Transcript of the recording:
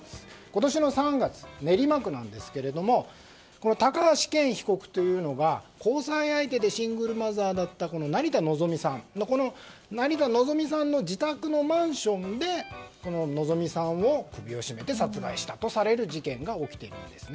今年の３月、練馬区ですが高橋剣被告というのが交際相手でシングルマザーだった成田のぞみさんの自宅のマンションでのぞみさんの首を絞めて殺害したとされる事件が起きているんです。